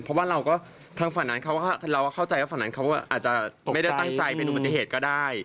เพราะว่าเราเข้าใจว่าฝั่งนั้นเขาอาจจะไม่ได้ตั้งใจเป็นอุบัติเหตุก็ได้